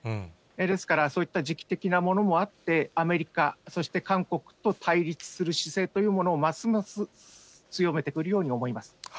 ですからそういった時期的なものもあって、アメリカ、そして韓国と対立する姿勢というものをますます強めてくるように思います。